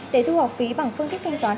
để thu học phí bằng phương thích thanh toán